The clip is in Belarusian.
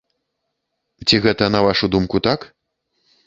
Ці гэта, на вашу думку, так?